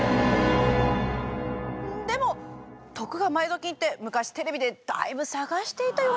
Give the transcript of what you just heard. でも徳川埋蔵金って昔テレビでだいぶ探していたような。